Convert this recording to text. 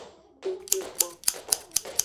Tetekpo.